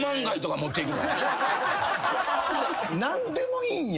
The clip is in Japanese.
何でもいいんや？